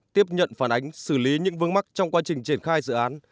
tiếp nhận phản ánh xử lý những vương mắc trong quá trình triển khai dự án